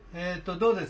どうです？